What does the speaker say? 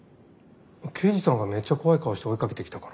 刑事さんがめっちゃ怖い顔して追いかけてきたから。